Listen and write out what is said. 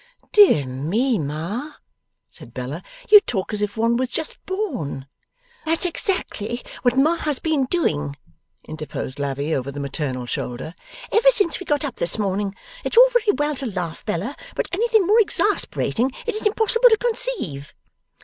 'Dear me, Ma,' said Bella; 'you talk as if one was just born!' 'That's exactly what Ma has been doing,' interposed Lavvy, over the maternal shoulder, 'ever since we got up this morning. It's all very well to laugh, Bella, but anything more exasperating it is impossible to conceive.